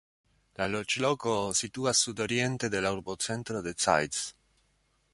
La loĝloko situas sudoriente de la urbocentro de Zeitz.